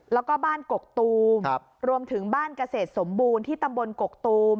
แล้วก็บ้านกกตูมรวมถึงบ้านเกษตรสมบูรณ์ที่ตำบลกกตูม